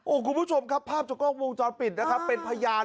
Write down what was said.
โอ้คุณผู้ชมครับภาพจากกล้องมณ์จอดปิดเป็นพยาน